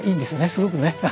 すごくね。